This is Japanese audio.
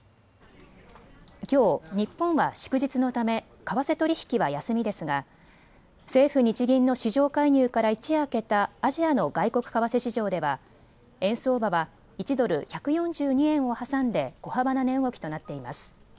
きょう、日本は祝日のため為替取引は休みですが政府・日銀の市場介入から一夜明けたアジアの外国為替市場では円相場は１ドル１４２円を挟んで小幅な値動きとなっています。